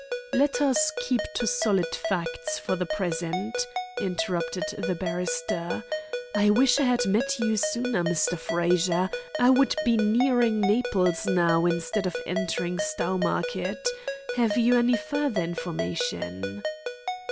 "Let us keep to solid fact for the present," interposed the barrister. "I wish I had met you sooner, Mr. Frazer. I would be nearing Naples now, instead of entering Stowmarket Have you any further information?"